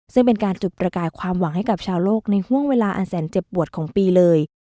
ซึ่งเป็นการจุดประกายความหวังให้กับชาวโลกในห่วงเวลาอันแสนเจ็บปวดของปีเลย